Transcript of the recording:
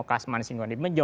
kasman singgung di mejo